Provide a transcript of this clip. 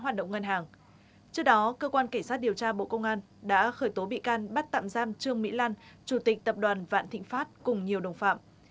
trước đó cơ quan kể sát điều tra bộ công an đã khởi tố bị can bắt tạm giam trương mỹ lan chủ tịch tập đoàn vạn thịnh pháp cùng nhiều đồng phạm